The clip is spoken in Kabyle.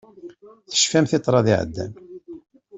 Tecfamt i ṭṭrad iɛeddan.